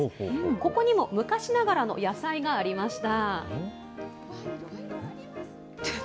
ここにも昔ながらの野菜がありました。